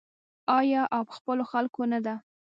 آیا او په خپلو خلکو نه ده؟